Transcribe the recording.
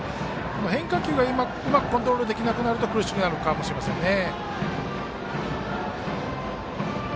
変化球がうまくコントロールできなくなると苦しくなるかもしれませんね。